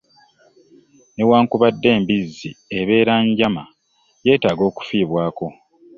Newankubadde embizzi ebeera njama yetaaga okufiibwako.